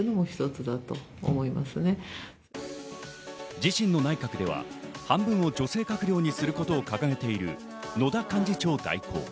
自身の内閣では半分を女性閣僚にすることを掲げている野田幹事長代行。